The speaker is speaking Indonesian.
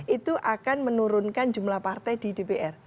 itu akan menurunkan jumlah partai di dpr